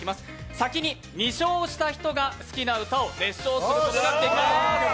先に２勝した人が好きな歌を熱唱することができます。